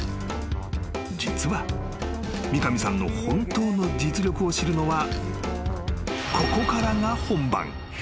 ［実は三上さんの本当の実力を知るのはここからが本番］